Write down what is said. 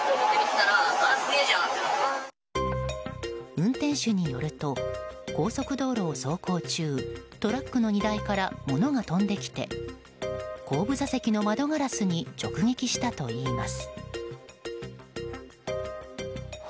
運転手によると高速道路を走行中トラックの荷台から物が飛んできて後部座席の窓ガラスに直撃したといいます。